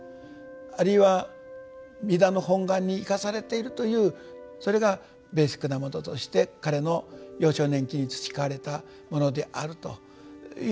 あるいは弥陀の本願に生かされているというそれがベーシックなものとして彼の幼少年期に培われたものであるということではなかったかと思われます。